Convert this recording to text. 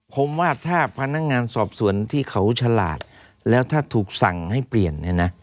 ผมว่าถ้าพนักงานสอบสวนที่เขาฉลาดแล้วถ้าถูกสั่งให้เปลี่ยนเนี่ยนะ